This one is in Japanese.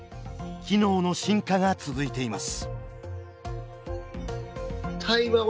機能の進化が続いています。